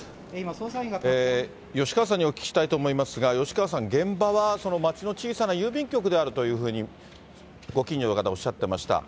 吉川さんにお聞きしたいと思いますが、吉川さん、現場は町の小さな郵便局であるというふうにご近所の方、おっしゃっていました。